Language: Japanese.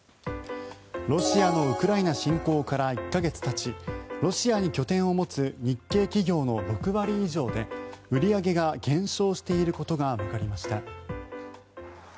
ロシアのウクライナ侵攻から１か月たちロシアに拠点を持つ日系企業の６割以上で売り上げが減少していることがわかりました。